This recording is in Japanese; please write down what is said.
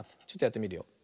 ちょっとやってみるよ。